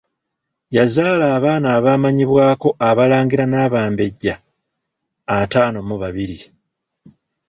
Yazaala abaana abaamanyibwako Abalangira n'Abambejja ataano mu babiri.